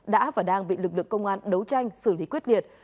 đã và đang bị lực lượng công an đấu tranh xử lý quyết liệt